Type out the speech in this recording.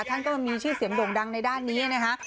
ท่านก็มีชื่อเสียงโด่งดังในด้านนี้นะคะ